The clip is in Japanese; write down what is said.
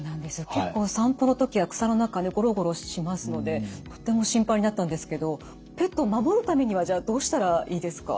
結構散歩の時は草の中ゴロゴロしますのでとっても心配になったんですけどペットを守るためにはじゃあどうしたらいいですか？